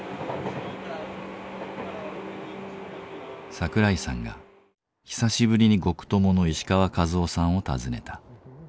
桜井さんが久しぶりに獄友の石川一雄さんを訪ねた。